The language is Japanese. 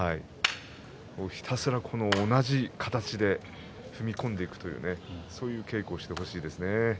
ひたすら同じ形で踏み込んでいくというそういう稽古をしてほしいですね。